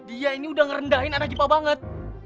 dia ini udah ngerendahin anak jepang banget